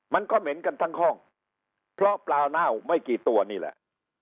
มันก็เหม็นกันทั้งห้องเพราะปลาเน่าไม่กี่ตัวนี่แหละ